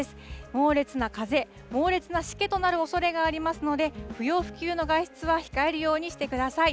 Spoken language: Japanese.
猛烈な風、猛烈なしけとなるおそれがありますので、不要不急の外出は控えるようにしてください。